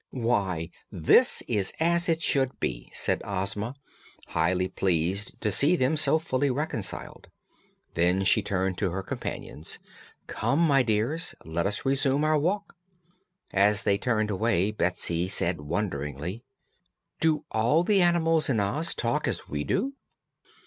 "Why, this is as it should be," said Ozma, highly pleased to see them so fully reconciled. Then she turned to her companions: "Come, my dears, let us resume our walk." As they turned away Betsy said wonderingly: "Do all the animals in Oz talk as we do?"